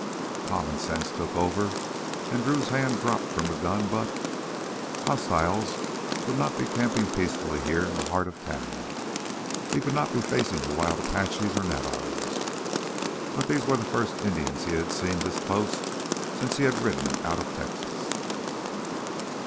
Common sense took over, and Drew's hand dropped from the gun butt. Hostiles would not be camping peacefully here in the heart of town. He could not be facing wild Apaches or Navajos. But they were the first Indians he had seen this close since he had ridden out of Texas.